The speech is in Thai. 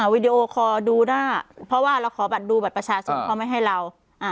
วิดีโอคอร์ดูหน้าเพราะว่าเราขอบัตรดูบัตรประชาชนเขาไม่ให้เรา